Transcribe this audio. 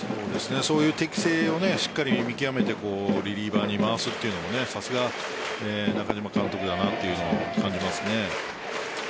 そういう適性をしっかり見極めてリリーバーに回すというのはさすが中嶋監督だなというのを感じます。